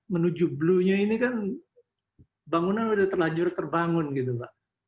menuju bluenya ini kan bangunan sudah terlanjur terbangun gitu pak